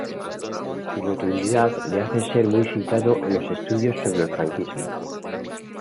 Su rotundidad le hace ser muy citado en los estudios sobre el franquismo.